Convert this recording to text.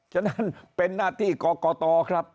ฉะนั้นเป็นหน้าที่กรกตครับ